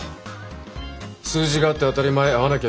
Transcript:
数字が合って当たり前合わなきゃ失態。